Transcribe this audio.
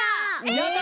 やった！